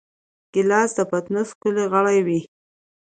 ګیلاس د پتنوس ښکلی غړی وي.